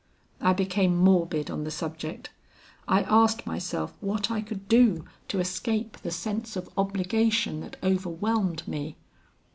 I became morbid on the subject. I asked myself what I could do to escape the sense of obligation that overwhelmed me.